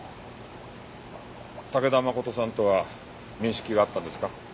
武田誠さんとは面識があったんですか？